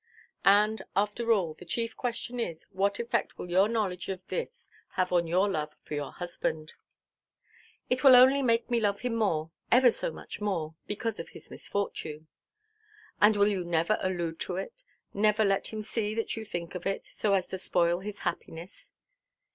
And after all, the chief question is, what effect will your knowledge of this have on your love for your husband?" "It will only make me love him more, ever so much more, because of his misfortune." "And will you never allude to it, never let him see that you think of it, so as to spoil his happiness?"